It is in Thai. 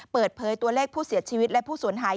เปิดเผยตัวเลขผู้เสียชีวิตและผู้สูญหาย